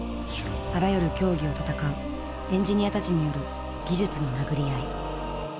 あらゆる競技を戦うエンジニアたちによる技術の殴り合い。